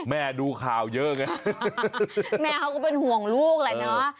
ดูข่าวเยอะไงแม่เขาก็เป็นห่วงลูกแหละเนอะ